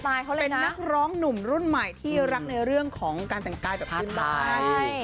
เป็นนักร้องหนุ่มรุ่นใหม่ที่รักในเรื่องของการแต่งกายแบบยืนมาก